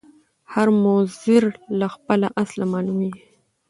هر مضر له خپله اصله معلومیږي